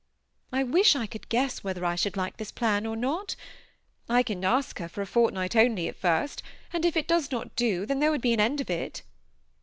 I wish I could guess whether I should like this plan or not. I can ask her for a fortnight only at first, and if it does not do, then there would be an end of it."